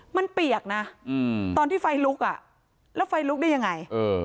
มันเปียกนะตอนที่ไฟลุกอ่ะแล้วไฟลุกได้ยังไง